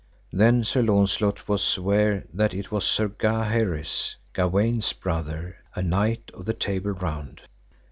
Then Sir Launcelot was ware that it was Sir Gaheris, Gawaine's brother, a knight of the Table Round.